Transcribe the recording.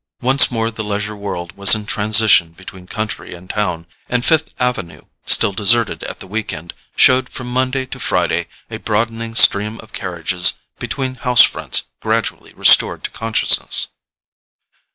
Once more the leisure world was in transition between country and town, and Fifth Avenue, still deserted at the week end, showed from Monday to Friday a broadening stream of carriages between house fronts gradually restored to consciousness.